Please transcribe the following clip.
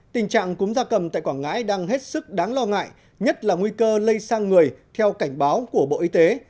tình trạng cúm da cầm tại quảng ngãi đang hết sức đáng lo ngại nhất là nguy cơ lây sang người theo cảnh báo của bộ y tế